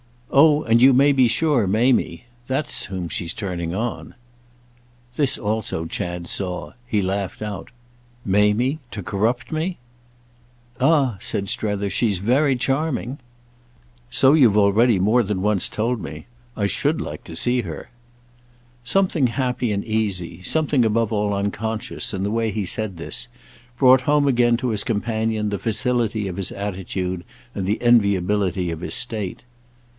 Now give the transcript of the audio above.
"Oh and you may be sure Mamie. That's whom she's turning on." This also Chad saw—he laughed out. "Mamie—to corrupt me?" "Ah," said Strether, "she's very charming." "So you've already more than once told me. I should like to see her." Something happy and easy, something above all unconscious, in the way he said this, brought home again to his companion the facility of his attitude and the enviability of his state.